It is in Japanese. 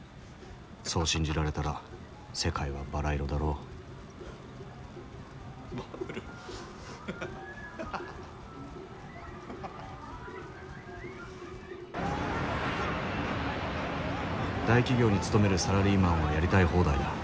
そう信じられたら世界はバラ色だろう大企業に勤めるサラリーマンはやりたい放題だ。